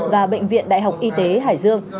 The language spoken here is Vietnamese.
và bệnh viện đại học y tế hải dương